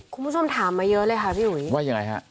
คุณผู้ชมถามมาเยอะเลยค่ะพี่อุ๋ยว่ายังไงฮะ